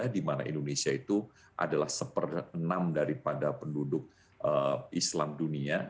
di mana indonesia itu adalah seperenam daripada penduduk islam dunia